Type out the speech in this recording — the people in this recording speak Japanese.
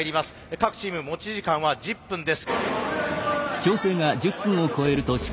各チーム持ち時間は１０分です。